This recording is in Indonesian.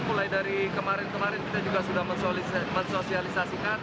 mulai dari kemarin kemarin kita juga sudah mensosialisasikan